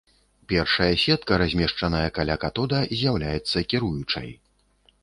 Першая сетка, размешчаная каля катода, з'яўляецца кіруючай.